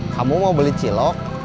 kamu mau beli cilok